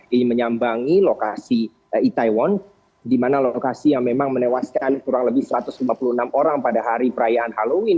ini menyambangi lokasi itaewon di mana lokasi yang memang menewaskan kurang lebih satu ratus lima puluh enam orang pada hari perayaan halloween